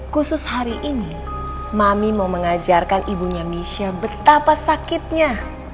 khusus hari ini mami mau mengajarkan ibunya misha betapa sakitnya